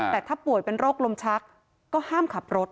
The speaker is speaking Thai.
แต่ถ้าป่วยเป็นโรคลมชักก็ห้ามขับรถ